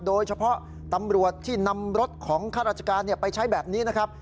โดยเฉพาะตำรวจที่นำรถของข้าราชการไปใช้แบบนี้นะครับ